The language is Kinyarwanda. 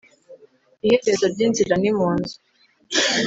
iherezo ry'inzira ni mu nzu